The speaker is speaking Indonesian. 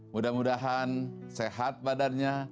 mudah mudahan sehat badannya